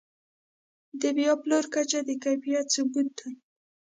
د بیا پلور کچه د کیفیت ثبوت دی.